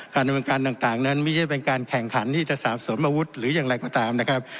ดำเนินการต่างนั้นไม่ใช่เป็นการแข่งขันที่จะสาบสมอาวุธหรืออย่างไรก็ตามนะครับ